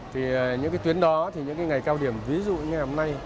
thì những cái tuyến đó thì những ngày cao điểm ví dụ như ngày hôm nay